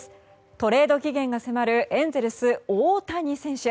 トレード期限が迫るエンゼルス、大谷選手。